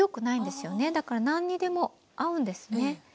だから何にでも合うんですね。